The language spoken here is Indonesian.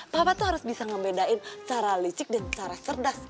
papa tuh harus bisa ngebedain secara listrik dan cara cerdas